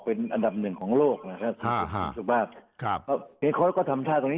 เป็นอันดับหนึ่งของโลกนะครับคุณสุภาพครับเฮโค้ชก็ทำท่าตรงนี้